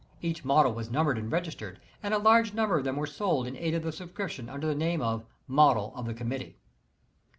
Each model was numbered and registered, and a large number of them were sold in aid of the subscription under the name of the "Model of the Com mittee.")